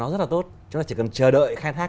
nó rất là tốt chứ là chỉ cần chờ đợi khai thác